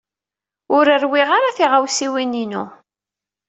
Ur rwiɣ ara tiɣawsiwin-inu.